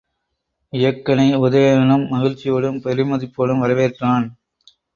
இயக்கனை உதயணனும் மகிழ்ச்சியோடும் பெருமதிப்போடும் வரவேற்றான்.